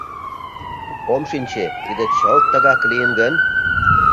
Ом шинче, тиде чылт тыгак лийын гын...